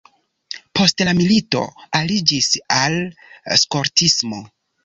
Post la milito aliĝis al skoltismo.